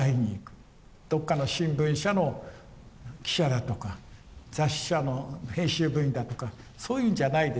どこかの新聞社の記者だとか雑誌社の編集部員だとかそういうんじゃないですから。